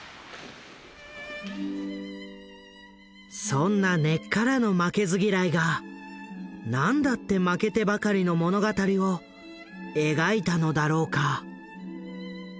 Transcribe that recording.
そんな根っからの負けず嫌いがなんだって負けてばかりの物語を描いたのだろうか？